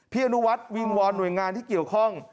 อนุวัฒน์วิงวอนหน่วยงานที่เกี่ยวข้อง